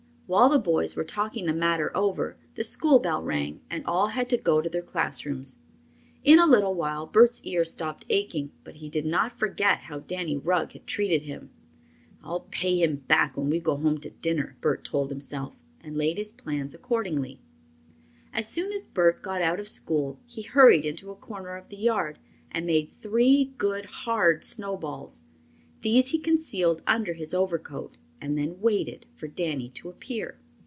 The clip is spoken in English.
While the boys were talking the matter over, the school bell rang and all had to go to their classrooms. In a little while Bert's ear stopped aching, but he did not forget how Danny Rugg had treated him. "I'll pay him back when we go home to dinner," Bert told himself, and laid his plans accordingly. As soon as Bert got out of school he hurried into a corner of the yard and made three good, hard snowballs. These he concealed under his overcoat and then waited for Danny to appear.